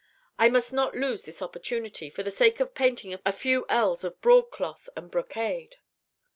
I must not lose this opportunity, for the sake of painting a few ells of broadcloth and brocade."